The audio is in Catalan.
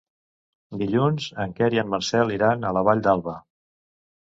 Dilluns en Quer i en Marcel iran a la Vall d'Alba.